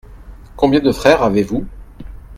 Combien de frères avez-vous ?